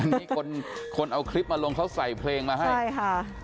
นี่คนคนเอาคลิปมาลงเขาใส่เพลงมาให้ใช่ค่ะ